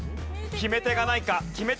決め手がないか？